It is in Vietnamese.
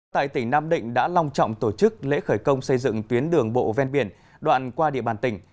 tại tỉnh nam định đã long trọng tổ chức lễ khởi công xây dựng tuyến đường bộ ven biển đoạn qua địa bàn tỉnh